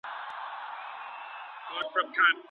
د نيکمرغيو يا بدمرغيو اساسي سببونه جوړيدلای سي.